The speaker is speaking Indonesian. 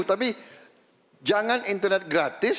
tapi jangan internet gratis